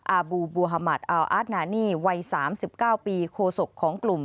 อาบูบูฮามัติอัลอาร์ตนานี่วัย๓๙ปีโคศกของกลุ่ม